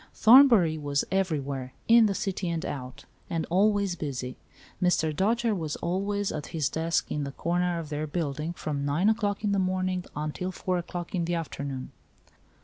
Thornbury was every where, in the city and out, and always busy. Mr. Dojere was always at his desk in the corner of their building, from 9 o'clock in the morning until 4 o'clock in the afternoon.